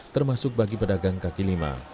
termasuk bagi pedagang kaki lima